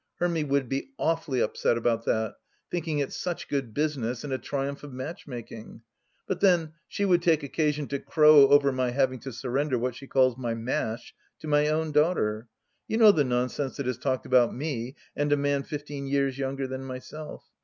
Hermy would be awfully upset about that, thinking it such good business, and a triumph of match making ! But then, she would take occasion to crow over my having to surrender what she calls my " mash " to my own daughter. You know the nonsense that is talked about me and a man fifteen years younger than myself